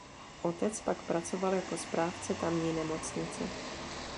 Otec pak pracoval jako správce tamní nemocnice.